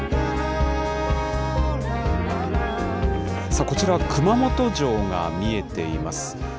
さあ、こちらは熊本城が見えています。